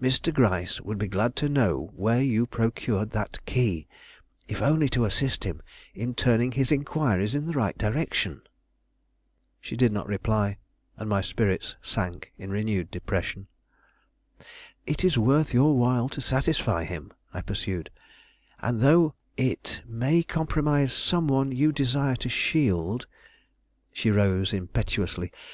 "Mr. Gryce would be glad to know where you procured that key, if only to assist him in turning his inquiries in the right direction." She did not reply, and my spirits sank in renewed depression. "It is worth your while to satisfy him," I pursued; "and though it may compromise some one you desire to shield " She rose impetuously.